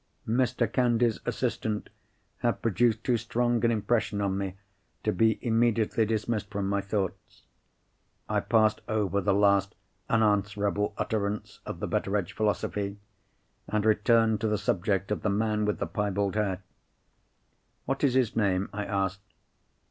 Mr. Candy's assistant had produced too strong an impression on me to be immediately dismissed from my thoughts. I passed over the last unanswerable utterance of the Betteredge philosophy; and returned to the subject of the man with the piebald hair. "What is his name?" I asked.